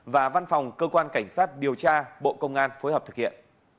và văn phòng cơ quan cảnh sát điều tra bộ công an phối hợp thực hiện